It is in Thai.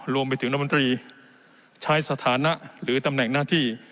รวมไปถึงรัฐมนตรีใช้สถานะหรือตำแหน่งหน้าที่